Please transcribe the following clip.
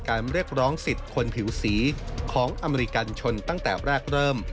เรียกร้องสิทธิ์คนผิวสีของอเมริกันชนตั้งแต่แรกเริ่ม